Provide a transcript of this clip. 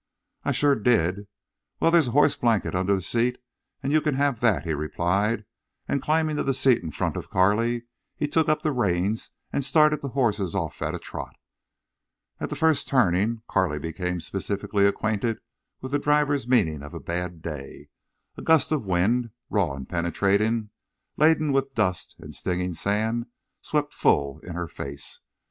"I shore did. Wal, there's a hoss blanket under the seat, an' you can have that," he replied, and, climbing to the seat in front of Carley, he took up the reins and started the horses off at a trot. At the first turning Carley became specifically acquainted with the driver's meaning of a bad day. A gust of wind, raw and penetrating, laden with dust and stinging sand, swept full in her face.